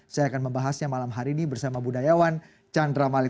saya akan membahasnya malam hari ini bersama budayawan chandra malik